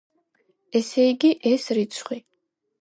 ესე იგი, ეს რიცხვი.